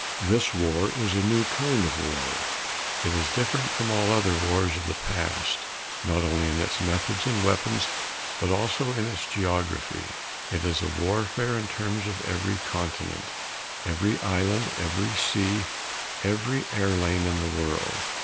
This war is a new kind of war. It is different from all other wars of the past, not only in its methods and weapons but also in its geography. It is warfare in terms of every continent, every island, every sea, every air lane in the world.